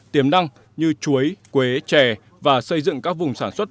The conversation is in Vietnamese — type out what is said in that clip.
tiềm năng như chuối quế chè và xây dựng các vùng sản xuất